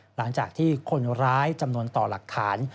หลังจากที่คนร้ายจำนวนต่อหลักฐาน